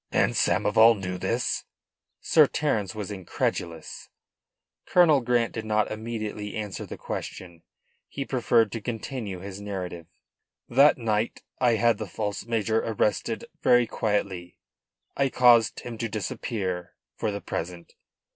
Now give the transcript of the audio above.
"And Samoval knew this?" Sir Terence was incredulous. Colonel Grant did not immediately answer the question. He preferred to continue his narrative. "That night I had the false major arrested very quietly. I have caused him to disappear for the present.